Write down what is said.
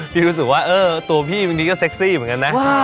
พี่รู้สึกว่าตัวพี่ก็เซคซี่เหมือนกันนะ